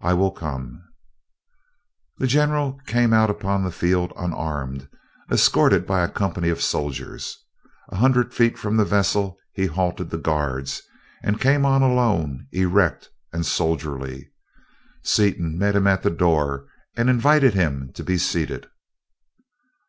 "I will come." The general came out upon the field unarmed, escorted by a company of soldiers. A hundred feet from the vessel he halted the guards and came on alone, erect and soldierly. Seaton met him at the door and invited him to be seated.